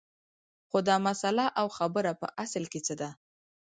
خو دا مسله او خبره په اصل کې څه ده